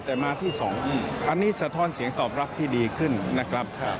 แต่มาที่สองอันนี้สะท้อนเสียงตอบรับที่ดีขึ้นนะครับ